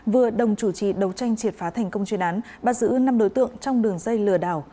vừa đồng chủ trì đấu tranh triệt phá thành công chuyên án bắt giữ năm đối tượng trong đường dây lừa đảo